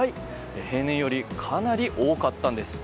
平年よりかなり多かったんです。